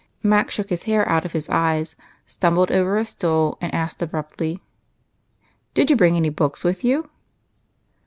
Mac shook his hair out of his eyes, stumbled over a stool, and asked abruptly, —" Did you bring any books with you